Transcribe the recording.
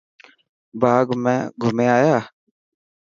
باغ مان گھمي آيا؟